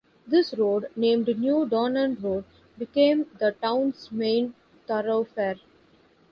This road, named New Donnan Road, became the town's main thoroughfare.